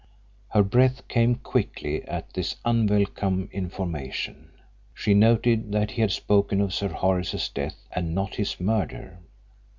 Her breath came quickly at this unwelcome information. She noted that he had spoken of Sir Horace's death and not his murder.